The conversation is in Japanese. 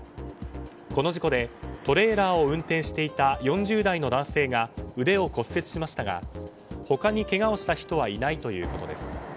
この事故でトレーラーを運転していた４０代の男性が腕を骨折しましたが他にけがをした人はいないということです。